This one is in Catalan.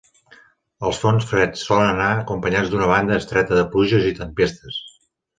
Els fronts freds solen anar acompanyats d'una banda estreta de pluges i tempestes.